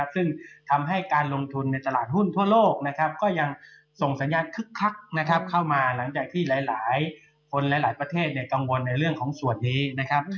ซึ่งทำให้การลงทุนในตลาดหุ้นทั่วโลกนะครับก็ยังส่งสัญญาณคึกคักเข้ามาหลังจากที่หลายคนหลายประเทศกังวลในเรื่องของส่วนนี้นะครับ